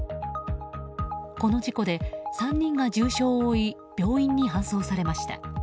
この事故で、３人が重傷を負い病院に搬送されました。